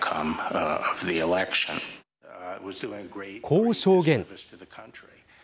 こう証言。